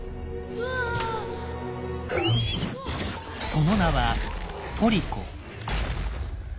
その名は「トリコ」。